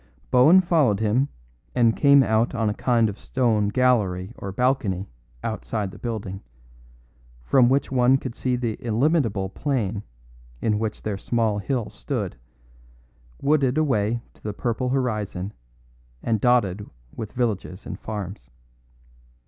Bohun followed him, and came out on a kind of stone gallery or balcony outside the building, from which one could see the illimitable plain in which their small hill stood, wooded away to the purple horizon and dotted with villages and farms.